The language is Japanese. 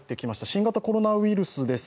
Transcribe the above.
新型コロナウイルスです。